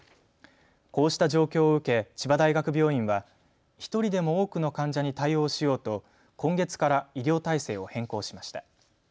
こうした状況を受け千葉大学病院は１人でも多くの患者に対応しようと今月から医療体制を変更しました。